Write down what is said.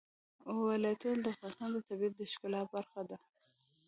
ولایتونه د افغانستان د طبیعت د ښکلا برخه ده.